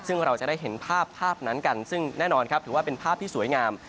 ซึ่งเราจะได้เห็นภาพภาพนั้นกันซึ่งแน่นอนครับถือว่าเป็นภาพที่สวยงาม